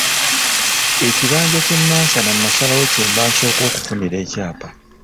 Ekibanja ky'e Nansana nasalawo kyemba nsooka okufunira ekyapa.